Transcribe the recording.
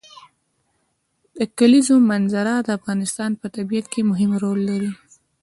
د کلیزو منظره د افغانستان په طبیعت کې مهم رول لري.